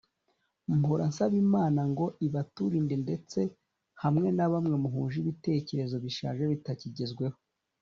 mpora nsaba Imana ngo ibaturinde ndetse hamwe na bamwe muhuje ibitekerezo bishaje bitakigezweho